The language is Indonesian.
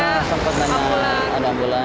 oh gitu sempat nanya ambulan